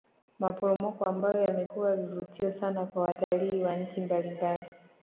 Maporomoko ambayo yamekuwa vivutio sana kwa watalii wa nchi mbalimbali